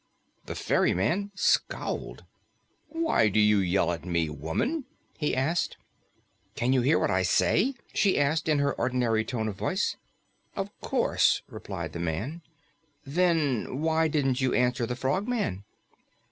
The ferryman scowled. "Why do you yell at me, woman?" he asked. "Can you hear what I say?" asked in her ordinary tone of voice. "Of course," replied the man. "Then why didn't you answer the Frogman?"